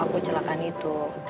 aku celakaan itu